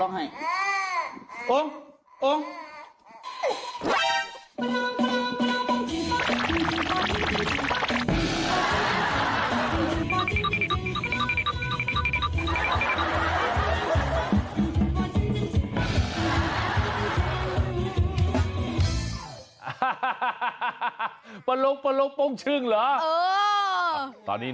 เด็กให้ครับเด็กร้องให้